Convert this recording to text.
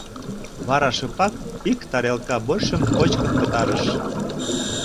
Вара шыпак ик тарелке борщым кочкын пытарыш.